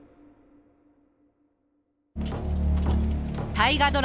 大河ドラマ